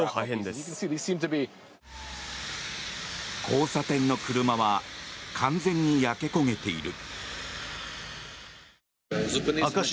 交差点の車は完全に焼け焦げている。